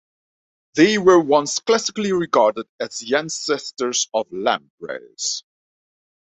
They were once classically regarded as the ancestors of lampreys.